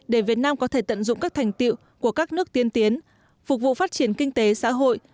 để việt nam có thể tận dụng các thành tiệu của các nước tiên tiến phục vụ phát triển kinh tế xã hội